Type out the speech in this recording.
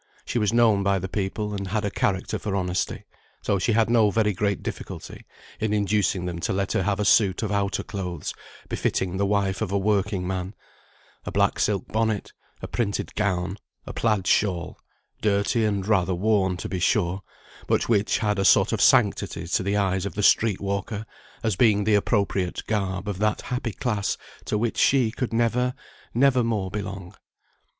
She was known by the people, and had a character for honesty, so she had no very great difficulty in inducing them to let her have a suit of outer clothes, befitting the wife of a working man, a black silk bonnet, a printed gown, a plaid shawl, dirty and rather worn to be sure, but which had a sort of sanctity to the eyes of the street walker as being the appropriate garb of that happy class to which she could never, never more belong.